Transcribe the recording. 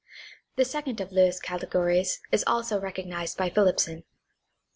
The second of Lowl's categories is also recognized by Phillipson.